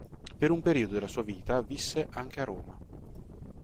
Per un periodo della sua vita visse anche a Roma.